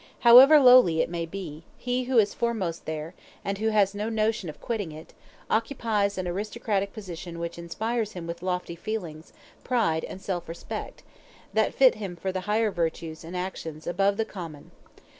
However lowly it may be, he who is foremost there, and who has no notion of quitting it, occupies an aristocratic position which inspires him with lofty feelings, pride, and self respect, that fit him for the higher virtues and actions above the common.